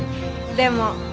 でも。